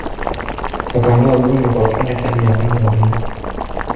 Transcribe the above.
wakaondoa gundu kwa kashinda taji la kombe la dunia